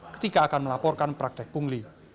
ketika akan melaporkan praktek pungli